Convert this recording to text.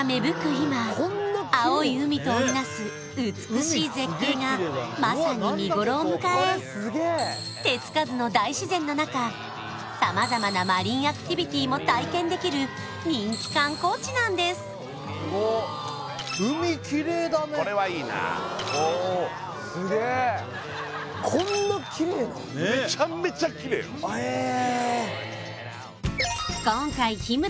今青い海と織りなす美しい絶景がまさに見頃を迎え手つかずの大自然の中様々なマリンアクティビティも体験できる人気観光地なんですこれはいいなおおっめちゃめちゃキレイよええ